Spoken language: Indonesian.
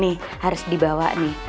nih harus dibawa nih